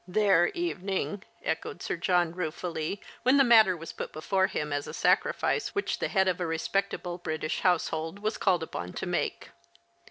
" Their evening !" echoed Sir John, ruefully, when the matter was put before him as a sacrifice which the head of a respectable British household was called upon to make.